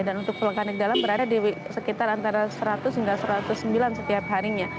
dan untuk vulkanik dalam berada di sekitar antara seratus hingga satu ratus sembilan setiap harinya